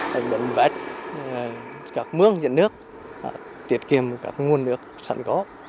hành động vết các mướng diện nước tiết kiệm các nguồn nước sẵn có